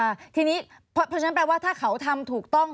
เพราะฉะนั้นแปลว่าถ้าเขาทำถูกต้อง